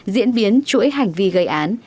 diễn biến chuỗi hành vi gây án